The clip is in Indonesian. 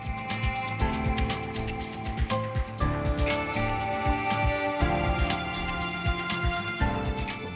pembelian ikan di pulau sedanau